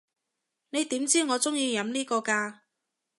你點知我中意飲呢個㗎？